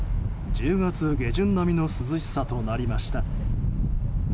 １０月下旬並みの涼しさとなりました。